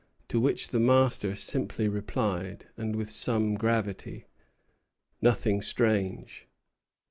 To which the master simply replied, and with some gravity, 'Nothing strange.'